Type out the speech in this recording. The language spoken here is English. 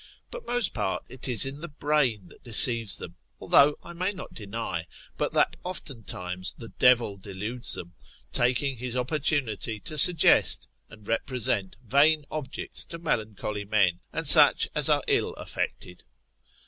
But most part it is in the brain that deceives them, although I may not deny, but that oftentimes the devil deludes them, takes his opportunity to suggest, and represent vain objects to melancholy men, and such as are ill affected.